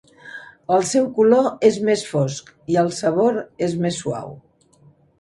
El seu color és més fosc i el sabor és més suau.